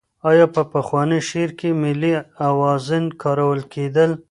آیا په پخواني شعر کې ملي اوزان کارول کېدل؟